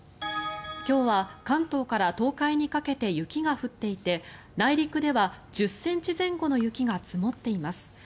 今日は関東から東海にかけて雪が降っていて内陸では１０ｃｍ前後の雪が積もっています。